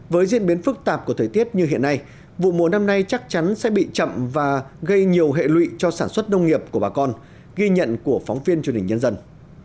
với diễn biến phức tạp của thời tiết như hiện nay vụ mùa năm nay chắc chắn sẽ bị chậm và gây nhiều hệ lụy cho sản xuất nông nghiệp của bà con ghi nhận của phóng viên truyền hình nhân dân